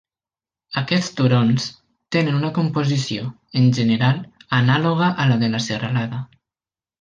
Aquests turons tenen una composició, en general, anàloga a la de la Serralada.